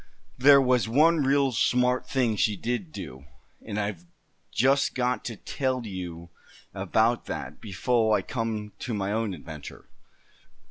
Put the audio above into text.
But there was one real smart thing she did do, and I've just got to tell you about that befo' I come to my own adventure."